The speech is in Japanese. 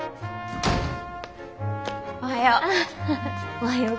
おはよう。